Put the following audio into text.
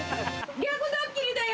逆ドッキリだよ！